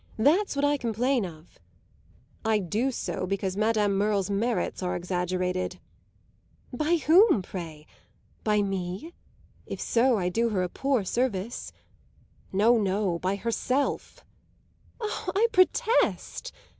That's what I complain of." "I do so because Madame Merle's merits are exaggerated." "By whom, pray? By me? If so I do her a poor service." "No, no; by herself." "Ah, I protest!"